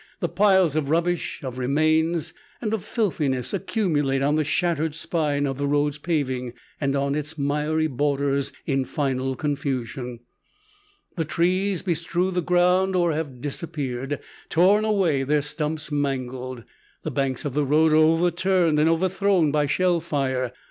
The piles of rubbish, of remains and of filthiness accumulate on the shattered spine of the road's paving and on its miry borders in final confusion. The trees bestrew the ground or have disappeared, torn away, their stumps mangled. The banks of the road are overturned and overthrown by shell fire.